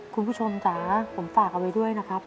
คุณผู้ชมจ๋าผมฝากเอาไว้ด้วยนะครับ